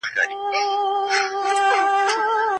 تاسو د خپل موبایل سکرین ته د ډېر وخت لپاره مه ګورئ.